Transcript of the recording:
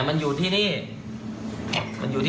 มันอยู่ที่ทีมงานของตรงนู้น